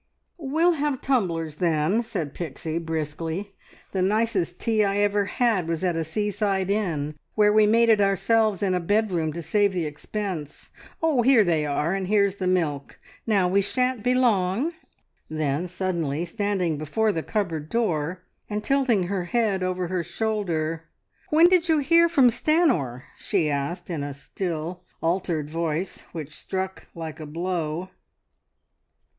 "We'll have tumblers then," Pixie said briskly. "The nicest tea I ever had was at a seaside inn where we made it ourselves in a bedroom to save the expense. Oh, here they are, and here's the milk. Now we shan't be long!" Then suddenly, standing before the cupboard door, and tilting her head over her shoulder, "When did you hear from Stanor?" she asked, in a still, altered voice which struck like a blow.